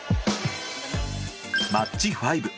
マッチ５。